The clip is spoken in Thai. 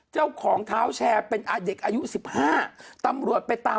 เจ้าของเท้าแชร์เป็นอายุ๑๕ตำรวจไปตาม